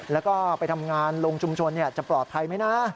แล้วก็ไปทำงานลงชุมชนจะปลอดภัยไหมนะ